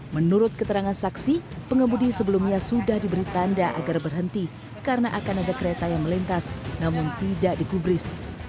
menurut keterangan saksi pengemudi sebelumnya sudah diberi tanda agar berhenti karena akan ada kereta yang melintas namun tidak digubris